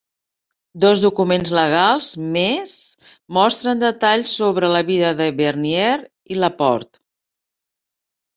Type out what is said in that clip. Dos documents legals més mostren detalls sobre la vida de Vernier i La Porte.